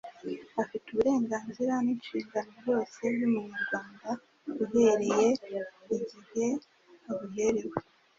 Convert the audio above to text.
afite uburenganzira n'inshingano byose by'Umunyarwanda uhereye igihe abuherewe.